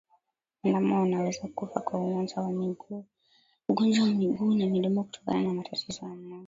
Ndama wanaweza kufa kwa ugonjwa wa miguu na midomo kutokana na matatizo ya moyo